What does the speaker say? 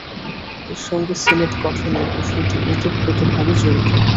এর সঙ্গে সিনেট গঠনের বিষয়টি ওতপ্রোতভাবে জড়িত।